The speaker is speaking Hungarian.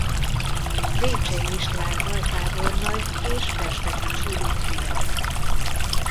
Vécsey István altábornagy és Festetics Judit fia.